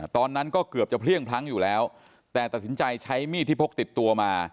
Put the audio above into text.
ตอนนั้นก็เกือบจะเพลี่ยงพลั้งอยู่แล้วแต่ตัดสินใจใช้มีดที่พกติดตัวมา